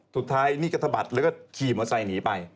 สุดท้ายนี่ก็สะบัดแล้วก็ขี่มอเตอร์ไซค์หนีไป